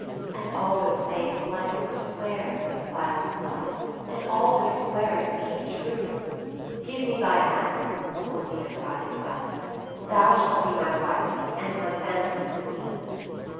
And all those sayings will I over swear," Viola replied, "and all those swearings keep true/' ''Give me thy hand," Orsino cried in gladness. "Thou shalt be my wife, and my fancy's queen."